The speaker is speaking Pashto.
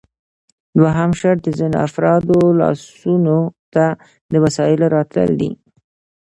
دوهم شرط د ځینو افرادو لاسونو ته د وسایلو راتلل دي